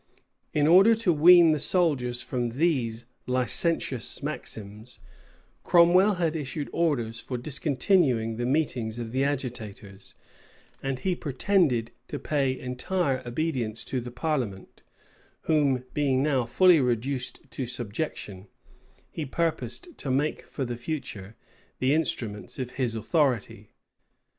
In order to wean the soldiers from these, licentious maxims, Cromwell had issued orders for discontinuing the meetings of the agitators; and he pretended to pay entire obedience to the parliament, whom being now fully reduced to subjection, he purposed to make for the future, the instruments of his authority.